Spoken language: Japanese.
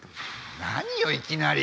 何よいきなり。